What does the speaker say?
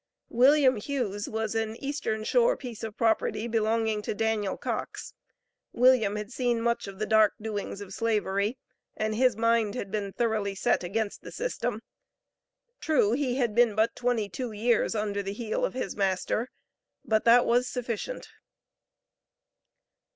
William Hughes was an Eastern Shore "piece of property" belonging to Daniel Cox. William had seen much of the dark doings of Slavery, and his mind had been thoroughly set against the system. True, he had been but twenty two years under the heel of his master, but that was sufficient.